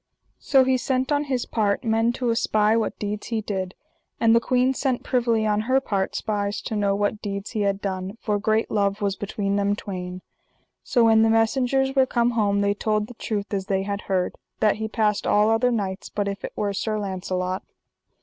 So he sent on his part men to espy what deeds he did. And the queen sent privily on her part spies to know what deeds he had done, for great love was between them twain. So when the messengers were come home they told the truth as they had heard, that he passed all other knights but if it were Sir Launcelot.